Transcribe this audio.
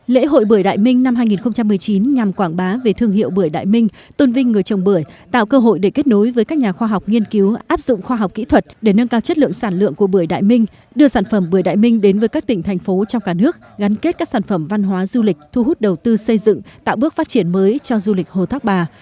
lễ hội bưởi đại minh năm hai nghìn một mươi chín nhằm quảng bá về thương hiệu bưởi đại minh tôn vinh người trồng bưởi tạo cơ hội để kết nối với các nhà khoa học nghiên cứu áp dụng khoa học kỹ thuật để nâng cao chất lượng sản lượng của bưởi đại minh đưa sản phẩm bưởi đại minh đến với các tỉnh thành phố trong cả nước gắn kết các sản phẩm văn hóa du lịch thu hút đầu tư xây dựng tạo bước phát triển mới cho du lịch hồ thác bà